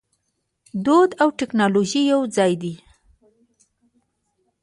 دود او ټیکنالوژي یوځای دي.